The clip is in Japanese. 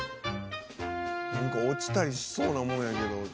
「なんか落ちたりしそうなもんやけど」